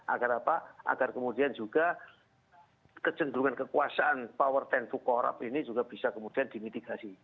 agar kemudian juga kecenderungan kekuasaan power tend to corrupt ini juga bisa kemudian dimitigasi